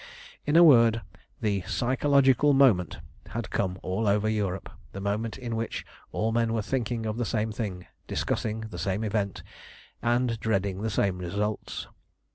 In a word, the "psychological moment" had come all over Europe, the moment in which all men were thinking of the same thing, discussing the same event, and dreading the same results.